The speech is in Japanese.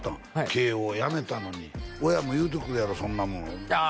慶應やめたのに親も言うてくるやろそんなもんあ